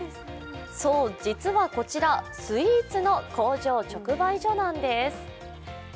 そう、実はこちらスイーツの工場直売所なんです。